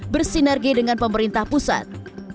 bersinergi dengan pemerintah pusat